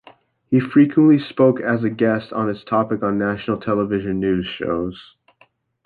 He frequently spoke as a guest on this topic on national television news shows.